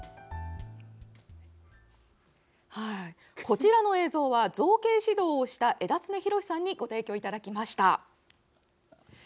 こちらの映像は造形指導をした枝常弘さんにご提供いただきました。